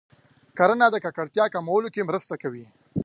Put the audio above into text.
کرنه د ککړتیا کمولو کې مرسته کوي.